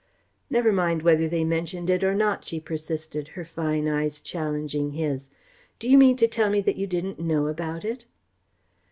"Never mind whether they mentioned it or not," she persisted, her fine eyes challenging his. "Do you mean to tell me that you didn't know about it?"